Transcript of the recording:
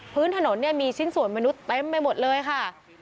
พื้นถนนเนี่ยมีชิ้นส่วนมนุษย์เต็มไปหมดเลยค่ะ